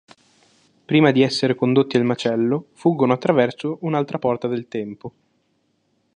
Prima di essere condotti al macello, fuggono attraverso un'altra porta del tempo.